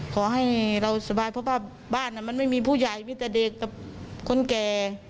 ขอให้เราสบายเพราะว่าบ้านมันไม่มีผู้ใหญ่มีแต่เด็กกับคนแก่